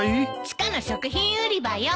地下の食品売り場よ。